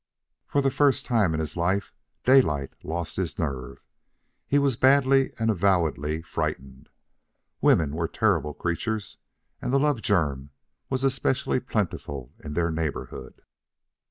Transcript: For the first time in his life Daylight lost his nerve. He was badly and avowedly frightened. Women were terrible creatures, and the love germ was especially plentiful in their neighborhood.